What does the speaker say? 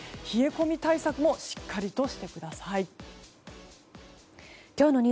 冷え込み対策もしっかりとしてください。